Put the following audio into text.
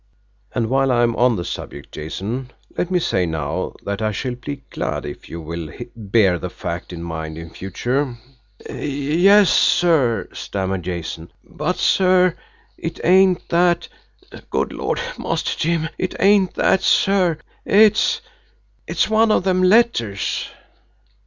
And while I am on the subject, Jason, let me say now that I shall be glad if you will bear that fact in mind in future." "Yes, sir," stammered Jason. "But, sir, it ain't that good Lord, Master Jim, it ain't that, sir! It's it's one of them letters."